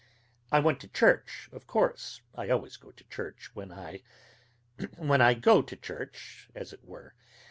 I went to church, of course, I always go to church when I when I go to church as it were.